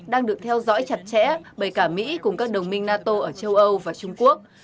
đang được theo dõi chặt chẽ bởi cả mỹ cùng các đồng minh nato ở châu âu và trung quốc